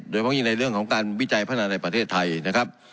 โดยเมื่อกี้ในเรื่องของการวิจัยพัฒนาในประเทศไทยนะครับ